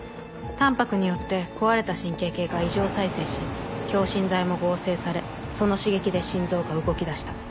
タンパクによって壊れた神経系が異常再生し強心剤も合成されその刺激で心臓が動きだした。